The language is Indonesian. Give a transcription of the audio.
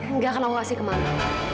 enggak kalau enggak sih ke mama